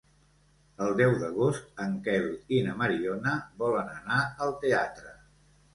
El deu d'agost en Quel i na Mariona volen anar al teatre.